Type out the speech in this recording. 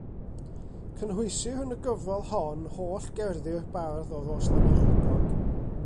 Cynhwysir yn y gyfrol hon holl gerddi'r bardd o Rosllannerchrugog.